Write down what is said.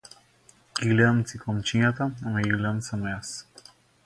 Ги гледам цикламчињата, ама ги гледам само јас.